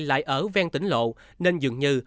lại ở ven tỉnh lộ nên dường như